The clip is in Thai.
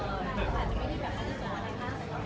ต้องกล้าดีเดียวนะว่า